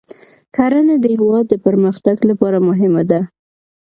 کرنه د هیواد د پرمختګ لپاره مهمه ده.